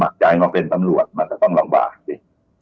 ใจมาเป็นตำรวจมันจะต้องลำบากสิ